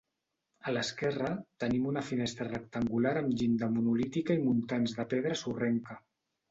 A l'esquerra tenim una finestra rectangular amb llinda monolítica i muntants de pedra sorrenca.